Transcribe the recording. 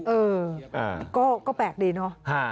เออก็แปลกดีเนอะ